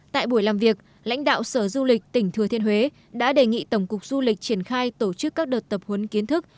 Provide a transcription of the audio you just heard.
tại buổi làm việc lãnh đạo sở du lịch tỉnh thừa thiên huế đã đề nghị tổng cục du lịch triển khai tổ chức các đợt tập huấn kiến thức